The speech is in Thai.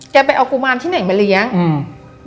แกไปเอากูมานที่ไหนมาเลี้ยงอืม